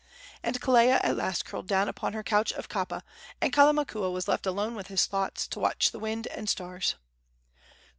And Kelea at last curled down upon her couch of kapa, and Kalamakua was left alone with his thoughts to watch the wind and stars.